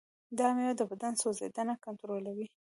دا مېوه د بدن سوځیدنه کنټرولوي.